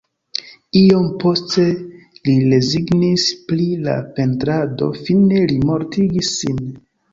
Iom poste li rezignis pri la pentrado, fine li mortigis sin.